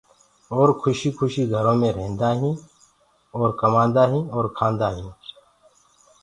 اور کُشيٚ کُشيٚ گھرو مي رهيندآ هينٚ اور ڪمآندا هينٚ اور کآندآ هينٚ۔